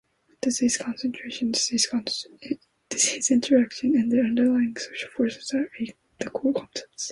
Disease concentration, disease interaction, and their underlying social forces are the core concepts.